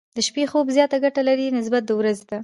د شپې خوب زياته ګټه لري، نسبت د ورځې ته.